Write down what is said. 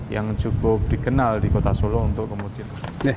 yang cukup dikenal di kota solo untuk kemudian